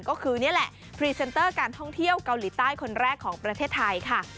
ก็คือนี่แหละพรีเซนเตอร์การท่องเที่ยวเกาหลีใต้คนแรกของประเทศไทยค่ะ